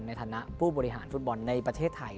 ในฐานะผู้บริหารฟุตบอลในประเทศไทย